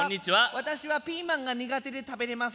私はピーマンが苦手で食べれません。